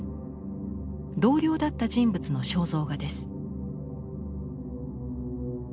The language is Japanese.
同僚だった人物の肖像画です。